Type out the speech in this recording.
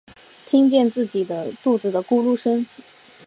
听见自己肚子的咕噜声